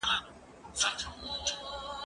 زه پرون لیکل کوم؟!